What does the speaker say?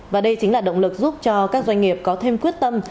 và đây chính là động lực giúp cho các doanh nghiệp có thêm quyết tâm